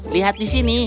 lihat di sini